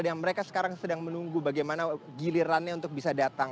dan mereka sekarang sedang menunggu bagaimana gilirannya untuk bisa datang